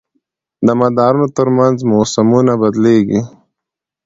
د مدارونو تر منځ موسمونه بدلېږي.